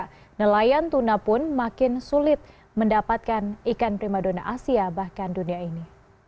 karena nelayan tuna pun makin sulit mendapatkan ikan primadona asia bahkan dunia ini